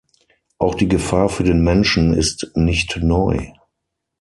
Auch die Gefahr für den Menschen ist nicht neu.